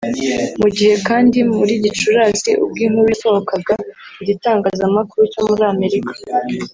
Mu gihe kandi muri Gicurasi ubwo inkuru yasohokaga mu gitangazamakuru cyo muri Amerika